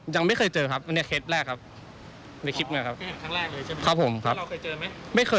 ครับผมแล้วแล้วค่ะค่ะว่าเป็นพวกชายรักชายหรือว่าเป็นเป็นอะไร